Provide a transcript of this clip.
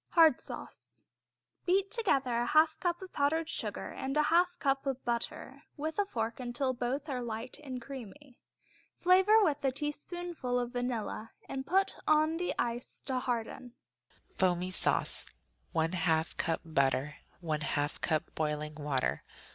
Hard Sauce Beat together a half cup of powdered sugar and a half cup of butter with a fork till both are light and creamy. Flavor with a teaspoonful of vanilla and put on the ice to harden. Foamy Sauce 1/2 cup butter. 1/2 cup boiling water.